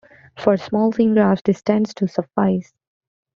For small scene graphs, this tends to suffice.